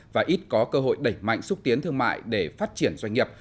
và ít có cơ hội đẩy mạnh xúc tiến thương mại để phát triển doanh nghiệp